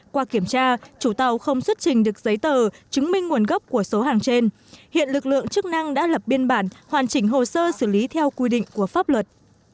qua kiểm tra chủ tàu không xuất trình được giấy tờ chứng minh nguồn gốc của số hàng trên hiện lực lượng chức năng đã lập biên bản hoàn chỉnh hồ sơ xử lý theo quy định của pháp luật